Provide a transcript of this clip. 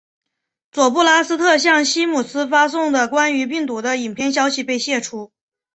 佐布拉斯特向西姆斯发送的关于病毒的影片消息被泄出。